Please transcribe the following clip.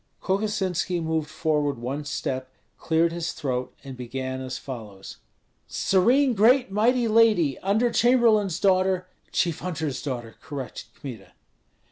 Kokosinski moved forward one step, cleared his throat, and began as follows: "Serene great mighty lady, under chamberlain's daughter " "Chief hunter's daughter," corrected Kmita.